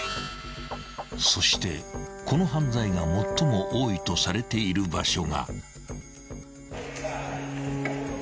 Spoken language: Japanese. ［そしてこの犯罪が最も多いとされている場所が］